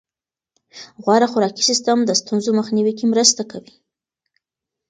غوره خوراکي سیستم د ستونزو مخنیوي کې مرسته کوي.